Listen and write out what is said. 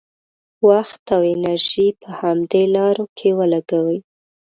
وخت او انرژي په همدې لارو کې ولګوي.